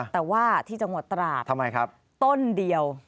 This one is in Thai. แต่ว่าที่จังหวัดตราดต้นเดียว